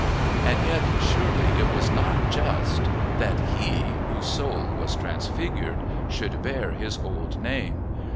And yet, surely, it was not just that he, whose soul was transfigured, should bear his old name.